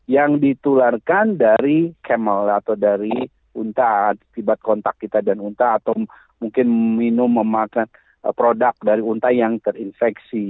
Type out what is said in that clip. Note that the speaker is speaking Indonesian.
yang ditularkan dari camel atau dari unta tiba kontak kita dengan unta atau mungkin minum memakan produk dari unta yang terinfeksi